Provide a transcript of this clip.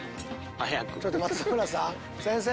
ちょっと松村さん先生。